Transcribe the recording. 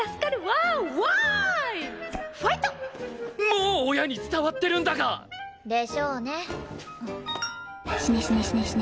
もう親に伝わってるんだが！？でしょうね。